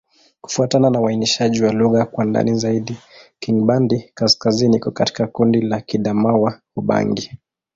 Kufuatana na uainishaji wa lugha kwa ndani zaidi, Kingbandi-Kaskazini iko katika kundi la Kiadamawa-Ubangi.